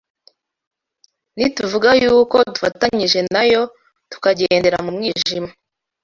Nituvuga yuko dufatanije na Yo tukagendera mu mwijima